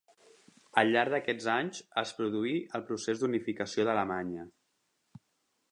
Al llarg d'aquests anys es produí el procés d'unificació d'Alemanya.